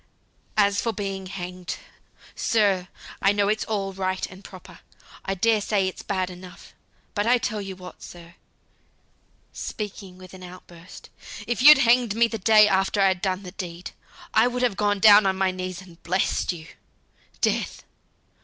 "As for being hanged, sir, I know it's all right and proper. I dare say it's bad enough; but I tell you what, sir," speaking with an out burst, "if you'd hanged me the day after I'd done the deed, I would have gone down on my knees and blessed you. Death!